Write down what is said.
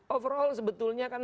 overall sebetulnya kan